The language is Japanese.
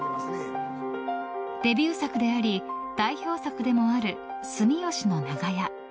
デビュー作であり代表作でもある住吉の長屋。